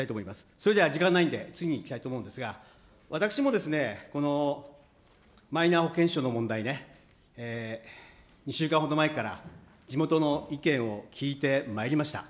それでは時間がないんで、次にいきたいと思うんですが、私もですね、このマイナ保険証の問題ね、２週間ほど前から、地元の意見を聞いてまいりました。